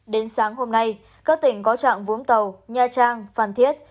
đến sáng hôm nay các tỉnh có trạng vũng tàu nha trang phan thiết